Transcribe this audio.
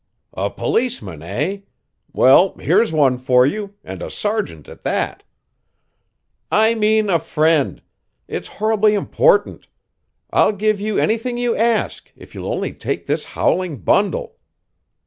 "A policeman, eh? Well, here's one for you, and a sergeant at that." "I mean a friend. It's horribly important. I'll give you anything you ask if you'll only take this howling bundle."